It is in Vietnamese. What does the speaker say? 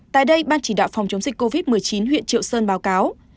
tại đây ban chỉ đạo phòng chống dịch covid một mươi chín huyện triệu sơn báo cáo